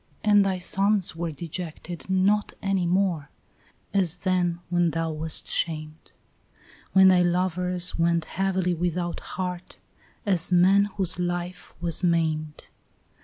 And thy sons were dejected not any more, as then When thou wast shamed; When thy lovers went heavily without heart, as men Whose life was maimed.